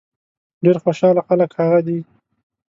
ډېر خوشاله خلک هغه دي.